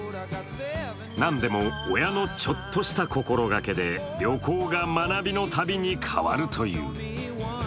なんでも親のちょっとした心がけで旅行が学びの旅に変わるという。